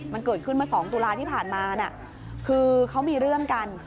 มันเกิดขึ้นมา๒ตุลาที่ผ่านมานะคือเขามีเรื่องกัน